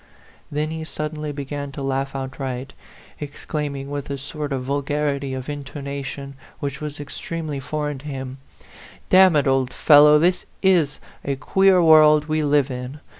Then he suddenly began to laugh outright, exclaiming, with a sort of vulgarity of intonation which was extremely foreign to him "D n it, old fellow, this is a queer world we live in